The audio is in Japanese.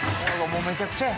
もうめちゃくちゃや。